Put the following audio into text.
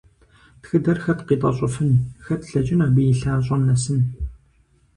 Тхыдэр хэт къитӀэщӀыфын, хэт лъэкӀын абы и лъащӀэм нэсын?